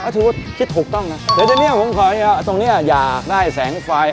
ถือว่าทิศถูกต้องนะเดี๋ยวทีนี้ผมขอเดี๋ยวตรงเนี้ยอยากได้แสงไฟ